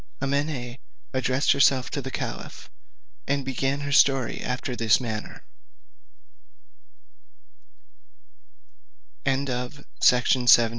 Amene addressed herself to the caliph, and began her story after this manner: The Story of Amene.